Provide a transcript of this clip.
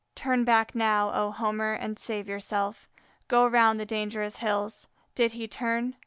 Turn back now, O Homer, and save yourself; go round the dangerous hills. Did he turn?